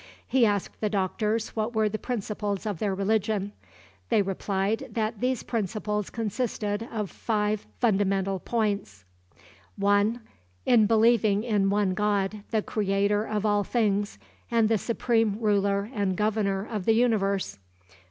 He asked the doctors what were the principles of their religion. They replied that these principles consisted of five fundamental points: 1. In believing in one God, the creator of all things, and the supreme ruler and governor of the universe.